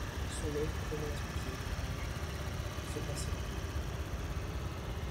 Son nez, trop mince pour ses joues larges, se pinçait encore.